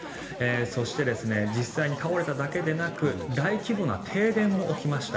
そして、実際に倒れただけでなく大規模な停電も起きました。